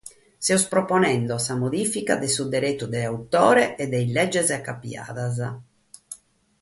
Semus proponende sa modìfica de su deretu de autore e de is leges acapiadas.